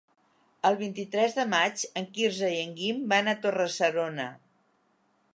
El vint-i-tres de maig en Quirze i en Guim van a Torre-serona.